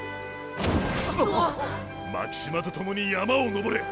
巻島と共に山を登れ。